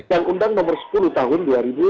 yang undang nomor sepuluh tahun